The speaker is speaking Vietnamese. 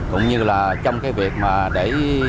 cũng như là trong cái việc mà để